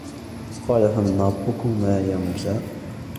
قَالَ فَمَنْ رَبُّكُمَا يَا مُوسَى